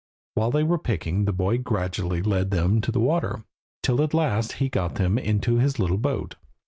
While they were picking the boy gradually led them to the water, till at last he got them into his little boat.